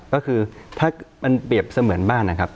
ก็คือถ้ามันเปรียบเสมือนบ้านนะครับ